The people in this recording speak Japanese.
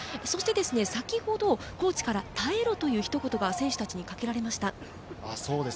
先ほどコーチから耐えろというひと言が選手にかけられました。